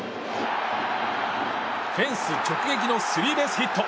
フェンス直撃のスリーベースヒット！